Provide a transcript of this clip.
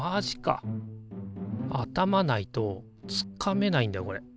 頭ないとつかめないんだこれ。